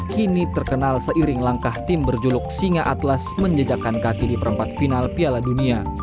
kini terkenal seiring langkah tim berjuluk singa atlas menjejakkan kaki di perempat final piala dunia